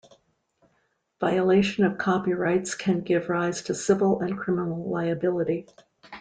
Violation of copyrights can give rise to civil and criminal liability.